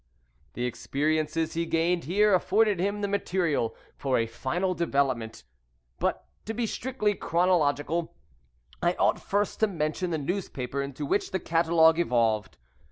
] The experiences he gained here afforded him the material for a final development, but, to be strictly chronological, I ought first to mention the newspaper into which the catalogue evolved.